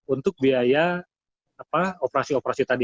untuk biaya operasi operasi tadi